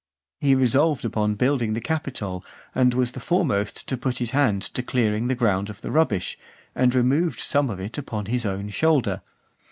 He resolved upon rebuilding the Capitol, and was the foremost to put his hand to clearing the ground of the rubbish, and removed some of it upon his own shoulder.